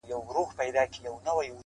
مطرب رباب د سُر او تال خوږې نغمې لټوم-